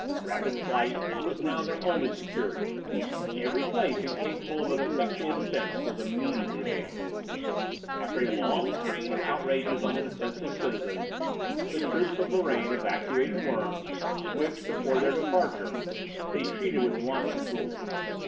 Rapid flight was now their only security; every place incapable of an effectual defence was immediately abandoned. After a long train of outrages on the defenceless citizens, the troops of Lorraine evacuated Worms, which, before their departure, they treated with wanton cruelty.